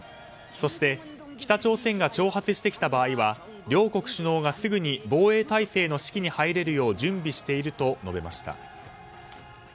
そして北朝鮮が挑発してきた場合は両国首脳がすぐに防衛体制の指揮に入れるよう準備していると述べました。